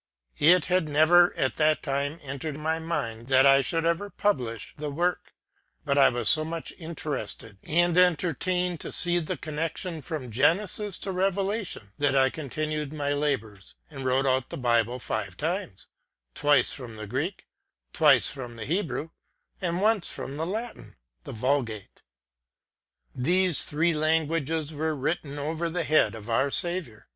; It had never at that time entered my mind that I should ever publish the work, but I was so much interested and entertained to see the connection from Genesis to Revelation, that I continued my labors and wrote out the Bible five times, twice from the Greek, twice from the Hebrew, and onee from the Latin—the Vulgate. These three languages were written over the head of our Saviour.